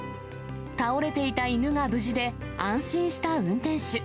倒れていた犬が無事で、安心した運転手。